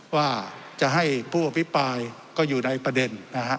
ว่าจะให้ผู้อภิปรายก็อยู่ในประเด็นนะฮะ